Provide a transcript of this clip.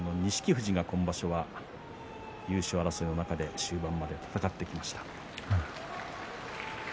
富士が優勝争いの中で終盤まで戦ってきました。